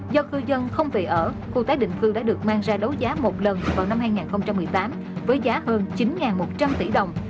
do cư dân không về ở khu tái định cư đã được mang ra đấu giá một lần vào năm hai nghìn một mươi tám với giá hơn chín một trăm linh tỷ đồng